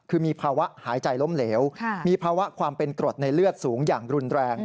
คือมีภาวะหายใจล้มเหลวมีภาวะความเป็นกรดในเลือดสูงอย่างรุนแรง